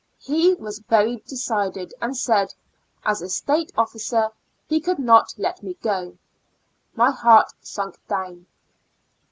He was very decided, — and said, " as a state officer, he could not let me go." My heart sunk down.